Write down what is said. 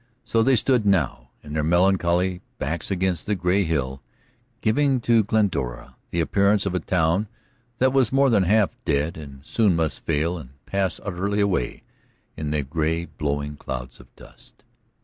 So they stood now in their melancholy, backs against the gray hill, giving to Glendora the appearance of a town that was more than half dead, and soon must fail and pass utterly away in the gray blowing clouds of dust.